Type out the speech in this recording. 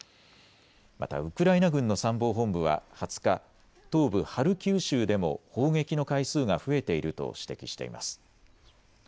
またウクライナ軍の参謀本部は２０日、東部ハルキウ州でも砲撃の回数が増えていると指摘しています。